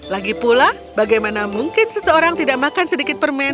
lagi pula bagaimana mungkin seseorang tidak makan sedikit permen